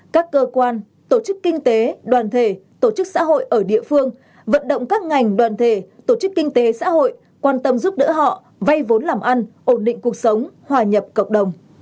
các cơ quan tổ chức kinh tế đoàn thể tổ chức xã hội ở địa phương vận động các ngành đoàn thể tổ chức kinh tế xã hội quan tâm giúp đỡ họ vay vốn làm ăn ổn định cuộc sống hòa nhập cộng đồng